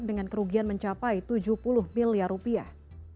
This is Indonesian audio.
dengan kerugian mencapai tujuh puluh miliar rupiah